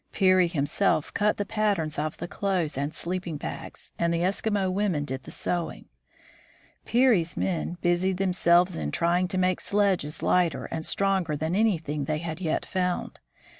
Peary himself cut the patterns of the clothes and sleep ing bags, and the Eskimo women did the sewing. Peary's men busied themselves in trying to make sledges lighter and stronger than anything they had yet found.